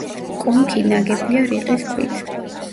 კონქი ნაგებია რიყის ქვით.